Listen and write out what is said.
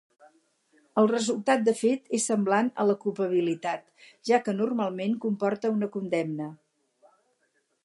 El resultat de fet és semblant a la culpabilitat, ja que normalment comporta una condemna.